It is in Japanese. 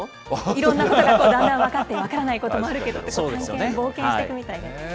いろんなことがだんだん分かって、分からないこともあるけど、冒険していくみたいで。